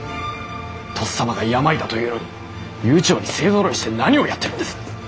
とっさまが病だというのに悠長に勢ぞろいして何をやってるんです？